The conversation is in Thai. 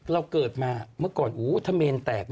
เราเกิดมาเมื่อก่อนถ้าเมนแตก